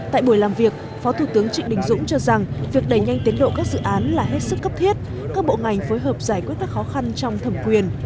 tại buổi làm việc phó thủ tướng trịnh đình dũng cho rằng việc đẩy nhanh tiến độ các dự án là hết sức cấp thiết các bộ ngành phối hợp giải quyết các khó khăn trong thẩm quyền